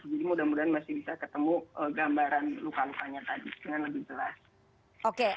jadi mudah mudahan masih bisa ketemu gambaran luka lukanya tadi dengan lebih jelas